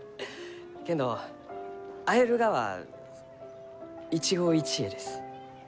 けんど、会えるがは一期一会です。